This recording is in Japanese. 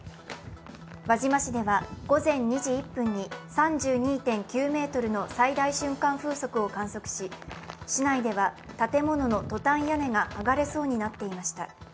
輪島市では、午前２時１分に３２．９メートルの最大瞬間風速を観測し、市内では建物のトタン屋根が剥がれそうになっていました。